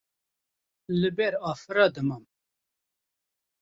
li ber afira dimam